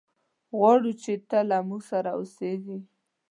غواړو چې ته له موږ سره اوسېږي.